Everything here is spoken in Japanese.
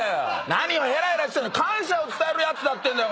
何をへらへらしてんの⁉感謝を伝えるやつだってんだよ